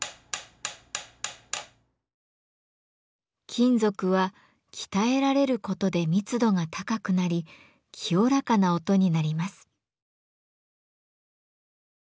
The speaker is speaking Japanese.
金属は鍛えられることで密度が高くなり清らかな音になります。